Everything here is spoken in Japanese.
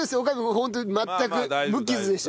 ホントに全く無傷でした。